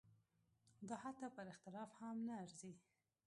دا حتی پر اختلاف هم نه ارزي.